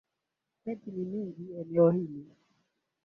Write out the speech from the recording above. Miti ni mingi eneo hili